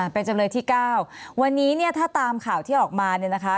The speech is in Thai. เป็นจำเลยที่๙วันนี้เนี่ยถ้าตามข่าวที่ออกมาเนี่ยนะคะ